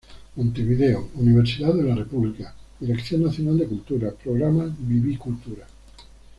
Montevideo, Universidad de la República, Dirección Nacional de Cultura, Programa Viví Cultura.